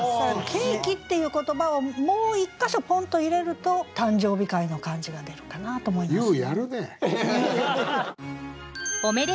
「ケーキ」っていう言葉をもう一か所ポンと入れると誕生日会の感じが出るかなと思います。